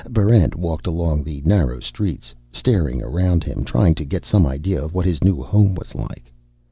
Barrent walked along the narrow streets, staring around him, trying to get some idea of what his new home was like.